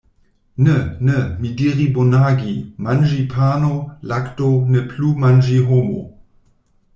Ne, ne, mi diri bonagi, manĝi pano, lakto, ne plu manĝi homo.